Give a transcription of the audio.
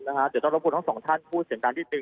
เดี๋ยวต้องรับคุณทั้ง๒ท่านพูดเสียงดันนิดหนึ่ง